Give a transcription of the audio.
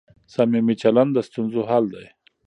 صميمي چلند د ستونزو حل دی.